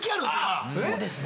そうですね。